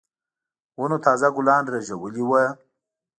ونو تازه ګلان رېژولي وو.